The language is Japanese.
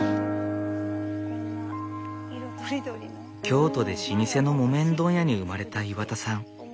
京都で老舗の木綿問屋に生まれた岩田さん。